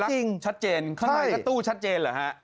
จริงชัดเจนข้างในก็ตู้ชัดเจนเหรอฮะ